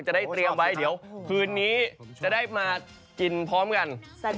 จะได้เตรียมไว้เดี๋ยวคืนนี้จะได้มากินพร้อมกัน